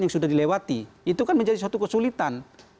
yang sudah dilewati itu kan menjadi suatu kesulitan